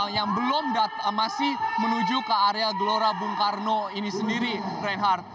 yang belum masih menuju ke area gelora bung karno ini sendiri reinhardt